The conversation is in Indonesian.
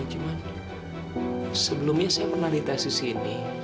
cuman sebelumnya saya pernah ditestisi ini